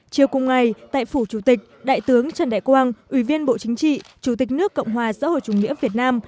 chiều cùng ngày tại phủ chủ tịch đại tướng trần đại quang ủy viên bộ chính trị chủ tịch nước cộng hòa xã hội chủ nghĩa việt nam